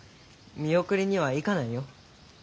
見送りには行かないよ。